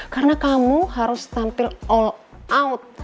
karena kamu harus tampil all out